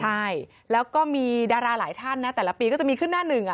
ใช่แล้วก็มีดาราหลายท่านนะแต่ละปีก็จะมีขึ้นหน้าหนึ่ง